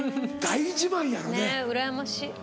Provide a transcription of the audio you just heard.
大自慢やろね。ねぇうらやましい。